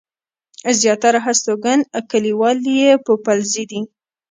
زياتره هستوګن کلیوال يې پوپلزي دي.